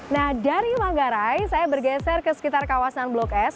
nah dari manggarai saya bergeser ke sekitar kawasan blok s